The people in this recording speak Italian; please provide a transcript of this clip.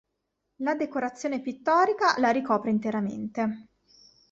La decorazione pittorica la ricopre interamente.